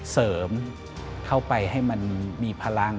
เสริมเข้าไปให้มันมีพลัง